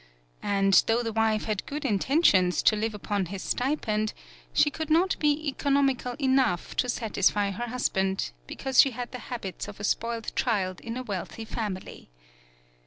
And, though the wife had good intentions to live upon his stipend, she could not be economical enough to satisfy her hus band, because she had the habits of a spoiled child in a wealthy family.